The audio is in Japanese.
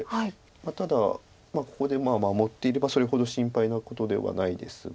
ただここで守っていればそれほど心配なことではないですが。